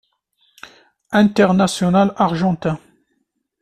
International argentin.